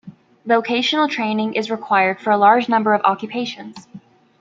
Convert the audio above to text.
Vocational training is required for a large number of occupations.